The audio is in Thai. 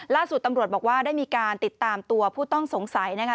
ล่าสุดตำรวจบอกว่าได้มีการติดตามตัวผู้ต้องสงสัยนะคะ